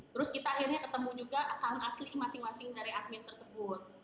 terus kita akhirnya ketemu juga akun asli masing masing dari admin tersebut